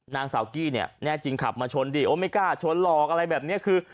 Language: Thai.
นางสาวกี้เนี่ยแน่จริงขับมาชนดิโอไม่กล้าชนหรอกอะไรแบบนี้คือ